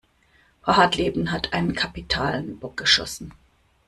Frau Hartleben hat einen kapitalen Bock geschossen.